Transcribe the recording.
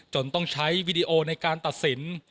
ต้องใช้วีดีโอในการตัดสิน